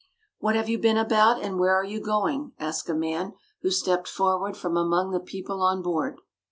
"What have you been about, and where are you going?" asked a man who stepped forward from among the people on board.